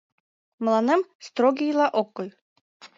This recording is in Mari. Мыланем строгийла от кой...